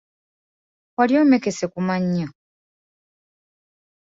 Wali omekese ku mannyo?